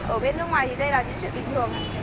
ở bên nước ngoài thì đây là cái chuyện bình thường